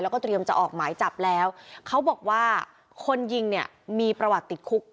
แล้วก็เตรียมจะออกหมายจับแล้วเขาบอกว่าคนยิงเนี่ยมีประวัติติดคุก